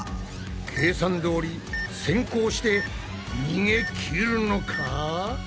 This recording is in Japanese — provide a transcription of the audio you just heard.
計算どおり先攻して逃げきるのか！？